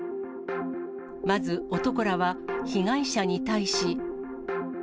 まず、男らは被害者に対し。